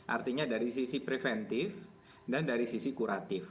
artinya dari sisi preventif dan dari sisi kuratif